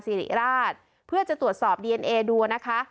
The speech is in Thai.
สิริราชเพื่อจะตรวจสอบดีเอนเอดูนะคะ